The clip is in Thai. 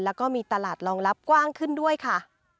แล้วก็มีตลาดรองรับกว้างขึ้นด้วยค่ะ